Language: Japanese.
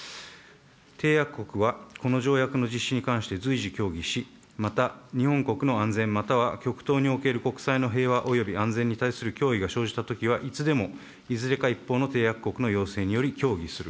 締約国はこの条約の実施に関して随時協議し、また、日本国の安全または極東における国際の平和および安全に対する脅威が生じたときはいつでも、いずれか一方の締約国の要請により協議する。